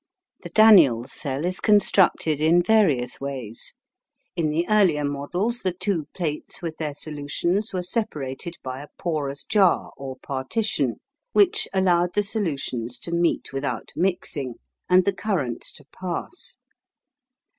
The Daniell cell is constructed in various ways. In the earlier models the two plates with their solutions were separated by a porous jar or partition, which allowed the solutions to meet without mixing, and the current to pass.